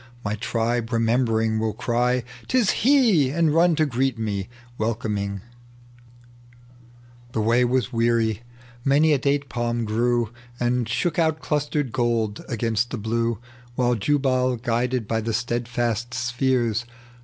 My tribe remembering Will cry, ' 'Tis he !' and run to greet me, welcom The way was weary. Many a date palm gi"ew. And shook out clustered gold against the blue, While Jubal, guided by the steadfast spheres.